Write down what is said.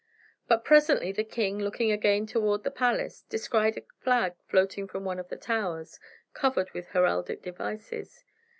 But presently the king, looking again toward the palace, descried a flag floating from one of the towers, covered with heraldic devices.